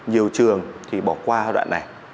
nhiều trường thì bỏ qua đoạn này